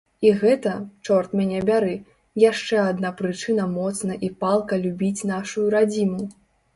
І гэта, чорт мяне бяры, яшчэ адна прычына моцна і палка любіць нашую радзіму!